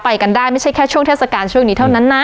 กันได้ไม่ใช่แค่ช่วงเทศกาลช่วงนี้เท่านั้นนะ